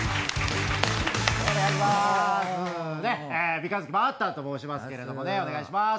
三日月マンハッタンと申しますけれどもね、お願いします。